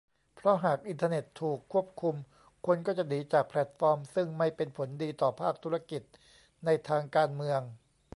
เพราะหากอินเทอร์เน็ตถูกควบคุม คนก็จะหนีจากแฟลตฟอร์มซึ่งไม่เป็นผลดีต่อภาคธุรกิจ ในทางการเมือง